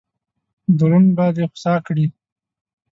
درون به دې خوسا کړي.